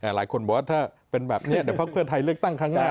หลายคนบอกว่าถ้าเป็นแบบนี้เดี๋ยวพักเพื่อไทยเลือกตั้งครั้งหน้า